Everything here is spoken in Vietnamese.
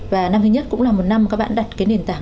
và năm thứ nhất cũng là một năm các bạn đặt cái nền tảng